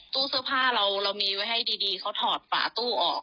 ตู้เสื้อผ้าเรามีไว้ให้ดีเขาถอดฝาตู้ออก